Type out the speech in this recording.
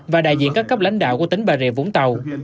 và đại diện các cấp lãnh đạo của tỉnh bà rịa vũng tàu